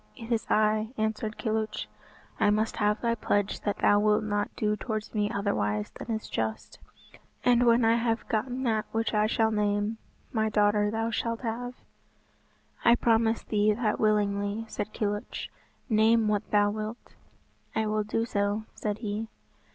"It is I," answered Kilhuch. "I must have thy pledge that thou wilt not do towards me otherwise than is just, and when I have gotten that which I shall name, my daughter thou shalt have." "I promise thee that willingly," said Kilhuch, "name what thou wilt." "I will do so," said he.